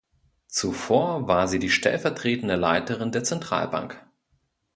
Zuvor war sie die stellvertretende Leiterin der Zentralbank.